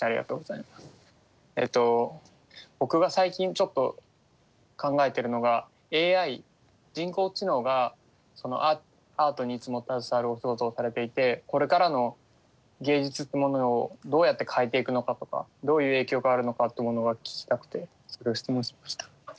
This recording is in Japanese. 僕が最近ちょっと考えてるのがＡＩ人工知能がアートにいつも携わるお仕事をされていてこれからの芸術っていうものをどうやって変えていくのかとかどういう影響があるのかってものが聞きたくて質問しました。